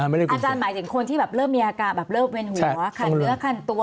อาจารย์หมายถึงคนที่แบบเริ่มมีอาการแบบเริ่มเวียนหัวคันเนื้อคันตัว